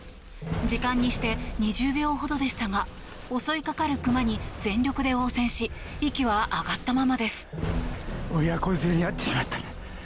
時間にして２０秒ほどでしたが襲いかかる熊に全力で応戦し息は上がったままです。